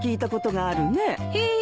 へえ。